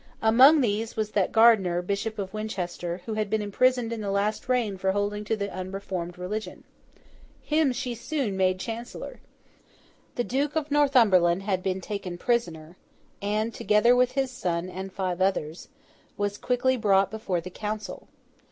Among these was that Gardiner, Bishop of Winchester, who had been imprisoned in the last reign for holding to the unreformed religion. Him she soon made chancellor. The Duke of Northumberland had been taken prisoner, and, together with his son and five others, was quickly brought before the Council.